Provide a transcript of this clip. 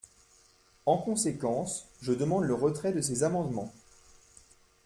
En conséquence, je demande le retrait de ces amendements.